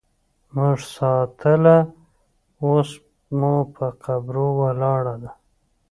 مونږ ساتله اوس مو په قبرو ولاړه ده